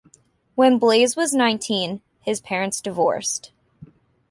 When Blaise was nineteen, his parents divorced.